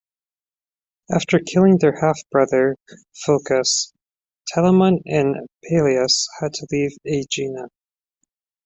After killing their half-brother, Phocus, Telamon and Peleus had to leave Aegina.